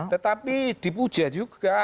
tetapi dipuja juga